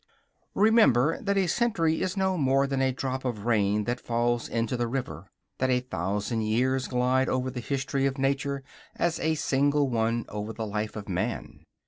Remember that a century is no more than a drop of rain that falls into the river; that a thousand years glide over the history of nature as a single one over the life of man.